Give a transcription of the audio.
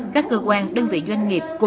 các cơ quan đơn vị doanh nghiệp